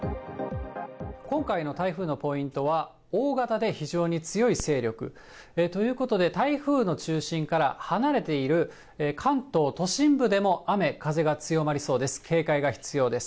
今回の台風のポイントは、大型で非常に強い勢力。ということで、台風の中心から離れている関東、都心部でも雨、風が強まりそうです。